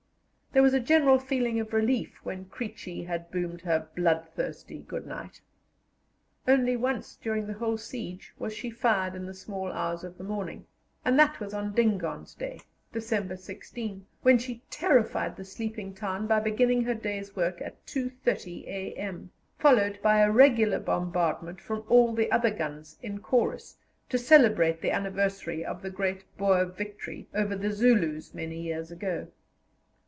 There was a general feeling of relief when "Creechy" had boomed her bloodthirsty "Good night." Only once during the whole siege was she fired in the small hours of the morning, and that was on Dingaan's Day (December 16), when she terrified the sleeping town by beginning her day's work at 2.30 a.m., followed by a regular bombardment from all the other guns in chorus, to celebrate the anniversary of the great Boer victory over the Zulus many years ago.